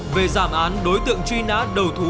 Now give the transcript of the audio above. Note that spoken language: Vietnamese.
về giảm án đối tượng truy nã đầu thú